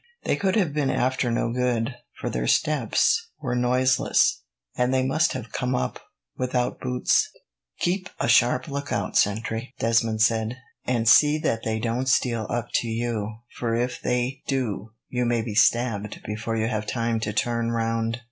They could have been after no good, for their steps were noiseless, and they must have come up without boots." "Keep a sharp lookout, sentry," Desmond said, "and see that they don't steal up to you, for if they do, you may be stabbed before you have time to turn round.